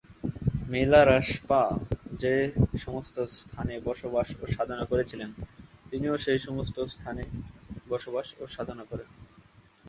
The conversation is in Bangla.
মি-লা-রাস-পা যে সমস্ত স্থানে বসবাস ও সাধনা করেছিলেন, তিনিও সেই সমস্ত স্থানে বসবাস ও সাধনা করেন।